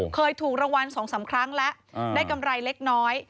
เคยถูกรางวัล๒๓ครั้งแล้วได้กำไรเล็กน้อย